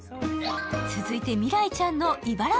続いて、未来ちゃんのイバラ